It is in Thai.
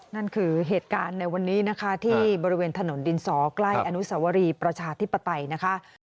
นั่นคือเหตุการณ์ในวันนี้นะคะที่บริเวณถนนดินสอใกล้อนุสวรีประชาธิปไตยนะคะ